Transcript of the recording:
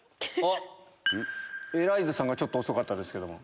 エライザさんがちょっと遅かったですけども。